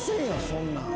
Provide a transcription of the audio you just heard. そんなん。